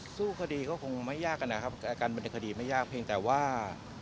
สู้คดีก็คงไม่ยากนะครับการดำเนินคดีไม่ยากเพียงแต่ว่า